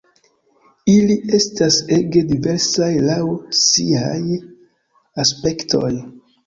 Ili estas ege diversaj laŭ siaj aspektoj.